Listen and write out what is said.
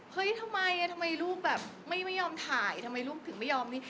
เฮ้ยทำไมทำไมลูกแบบไม่ยอมถ่ายทำไมลูกถึงไม่ยอมนี่